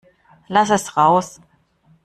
Lass es raus!